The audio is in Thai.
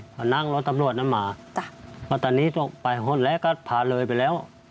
ก็นั่งรถตำลวดนั้นมาจ้ะก็ตอนนี้ตกไปเฮาะแล้วก็ผ่าเลยไปแล้ว